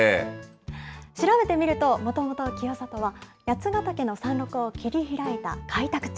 調べてみると、もともと清里は八ヶ岳の山麓を切り開いた開拓地。